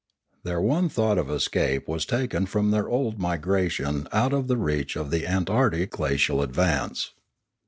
Their one thought of escape was taken from their old migration out of the reach of antarctic glacial advance.